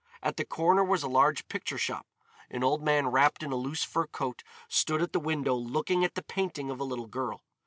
At the corner was a large picture shop. An old man wrapped in a loose fur coat stood at the window looking at the painting of a little girl.